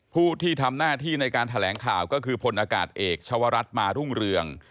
ผู้ที่ทำหน้าที่ในการแถลงข่าวก็คือพลอากาศเอกชาวรัฐมารุ่งเรือง